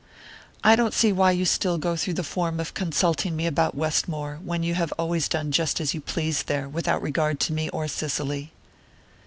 "I don't see why you still go through the form of consulting me about Westmore, when you have always done just as you pleased there, without regard to me or Cicely."